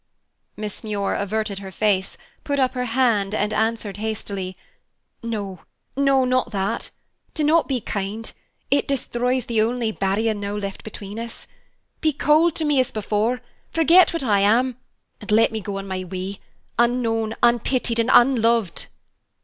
Miss Muir averted her face, put up her hand, and answered hastily, "No, no, not that! Do not be kind; it destroys the only barrier now left between us. Be cold to me as before, forget what I am, and let me go on my way, unknown, unpitied, and unloved!"